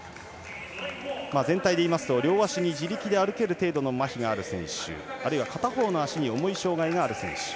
全体でいいますと両足で自力で歩ける程度のまひがあるあるいは片方の足に重い障がいがある選手。